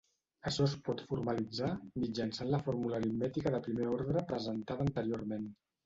Això es pot formalitzar mitjançant la fórmula aritmètica de primer ordre presentada anteriorment.